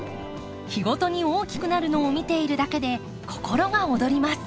日ごとに大きくなるのを見ているだけで心が躍ります。